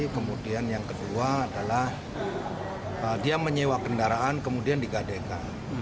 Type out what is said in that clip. kemudian yang kedua adalah dia menyewa kendaraan kemudian digadekan